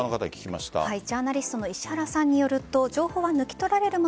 ジャーナリストの石原さんによると情報は抜き取られるもの。